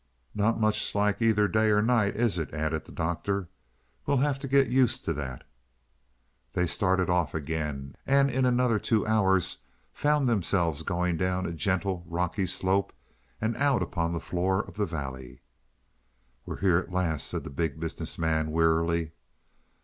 "Not much like either night or day, is it?" added the Doctor. "We'll have to get used to that." They started off again, and in another two hours found themselves going down a gentle rocky slope and out upon the floor of the valley. "We're here at last," said the Big Business Man wearily.